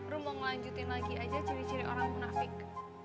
ru mau ngelanjutin lagi aja ciri ciri orang munafik